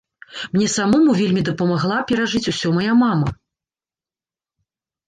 Мне самому вельмі дапамагла перажыць ўсё мая мама.